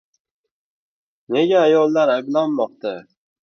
Nega ayollar ayblanmoqda?